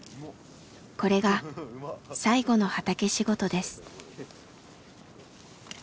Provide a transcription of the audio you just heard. これが最後の畑仕事です。